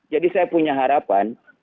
jadi saya punya harapan